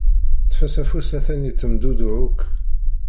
Ṭṭef-as afus atan yettemdudduɛ akk.